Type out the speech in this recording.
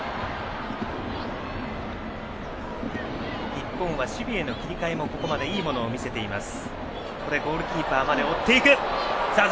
日本は守備への切り替えもここまでいいものを見せています。